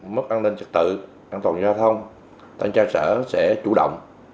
mức an ninh trật tự an toàn giao thông thanh tra sở sẽ chủ động